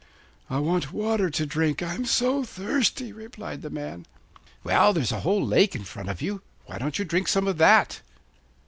'I want water to drink, I'm so thirsty,' replied the man. 'Well, there's a whole lake in front of you; why don't you drink some of that?